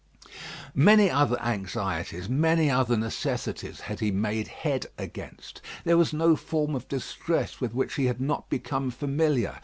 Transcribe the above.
Many other anxieties, many other necessities had he made head against. There was no form of distress with which he had not become familiar.